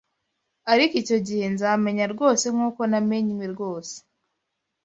ariko icyo gihe nzamenya rwose nk’uko namenywe rwose